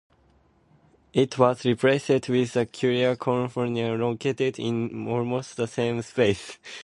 It was replaced with the Curia Cornelia, located in almost the same space.